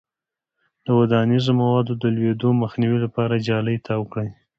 د ودانیزو موادو د لویدو مخنیوي لپاره جالۍ تاو کړئ.